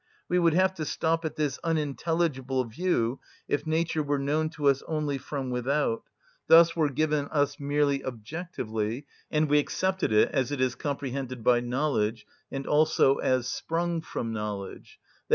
We would have to stop at this unintelligible view if nature were known to us only from without, thus were given us merely objectively, and we accepted it as it is comprehended by knowledge, and also as sprung from knowledge, _i.